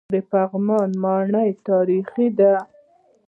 د پغمان ماڼۍ تاریخي ده